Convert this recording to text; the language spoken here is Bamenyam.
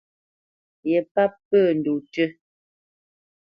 Ye páp pə́ ndɔ̂ tʉ́.